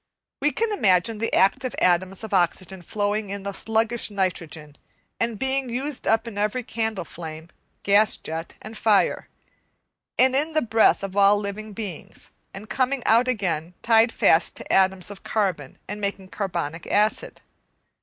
We can imagine the active atoms of oxygen floating in the sluggish nitrogen, and being used up in every candle flame, gas jet and fire, and in the breath of all living beings; and coming out again tied fast to atoms of carbon and making carbonic acid.